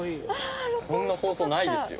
こんな放送ないですよ。